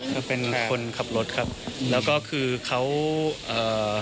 ก็เป็นคนขับรถครับแล้วก็คือเขาเอ่อ